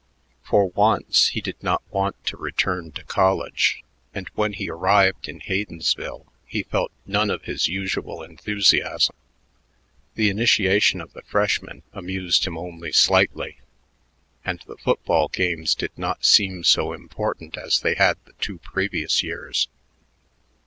For once, he did not want to return to college, and when he arrived in Haydensville he felt none of his usual enthusiasm. The initiation of the freshmen amused him only slightly, and the football games did not seem so important as they had the two previous years.